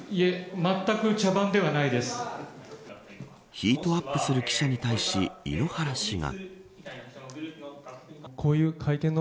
ヒートアップする記者に対し井ノ原氏が。